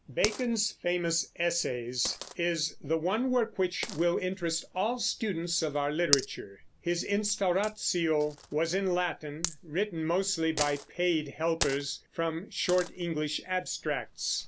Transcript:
Bacon's famous Essays is the one work which will interest all students of our literature. His Instauratio was in Latin, written mostly by paid helpers from short English abstracts.